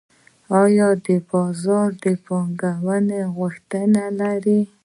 لوی بازار د پانګونې غوښتنه لري.